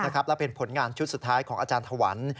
และเป็นผลงานชุดสุดท้ายของอาจารย์ถวัน